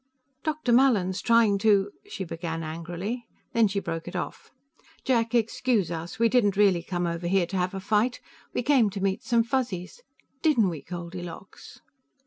"Dr. Mallin's trying to " she began angrily. Then she broke it off. "Jack, excuse us. We didn't really come over here to have a fight. We came to meet some Fuzzies. Didn't we, Goldilocks?"